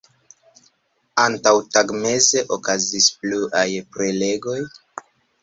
Antaŭtagmeze okazis pluaj prelegoj.